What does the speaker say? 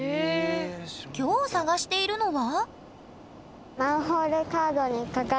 今日探しているのは？